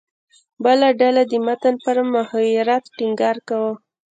بله ډله د متن پر محوریت ټینګار کاوه.